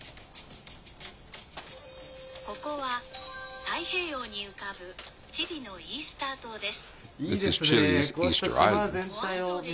ここは、太平洋に浮かぶチリのイースター島です。